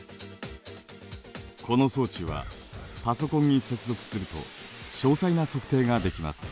この装置はパソコンに接続すると詳細な測定ができます。